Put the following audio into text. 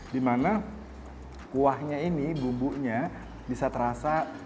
di mana kuahnya ini bumbunya bisa terasa